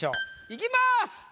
いきます。